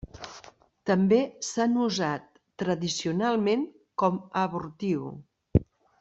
També s'han usat tradicionalment com a abortiu.